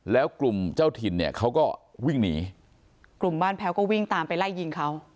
แล้วกลุ่มเจ้าถิ่นเนี่ยเขาก็วิ่งหนีกลุ่มบ้านแพ้วก็วิ่งตามไปไล่ยิงเขา